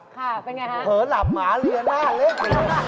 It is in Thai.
ค่ะเป็นอย่างไรครับเผลอหลับหมาเรียนหน้าเล็ก